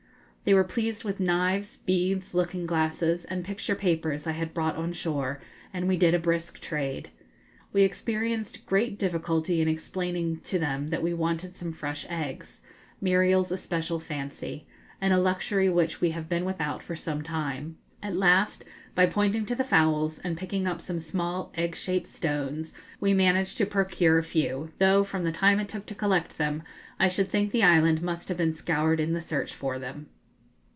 They were pleased with knives, beads, looking glasses, and picture papers I had brought on shore, and we did a brisk trade. We experienced great difficulty in explaining to them that we wanted some fresh eggs, Muriel's especial fancy, and a luxury which we have been without for some time. At last, by pointing to the fowls and picking up some small egg shaped stones, we managed to procure a few, though, from the time it took to collect them, I should think the island must have been scoured in the search for them.